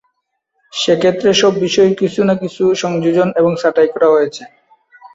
সেক্ষেত্রে সব বিষয়েই কিছু-না-কিছু সংযোজন এবং ছাঁটাই করা হয়েছে।